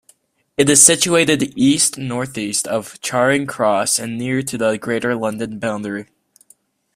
It is situated east-northeast of Charing Cross and near to the Greater London boundary.